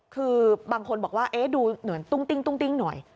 คือบางคนบอกว่าเอ๊ดูเหนือนตุ้งติ้งตุ้งติ้งหน่อย